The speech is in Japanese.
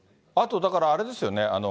あと、だからあれですよね。